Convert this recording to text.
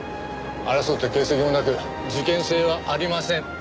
争った形跡もなく事件性はありません。